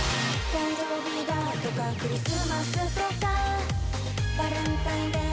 誕生日だとかクリスマスとかバレンタインデー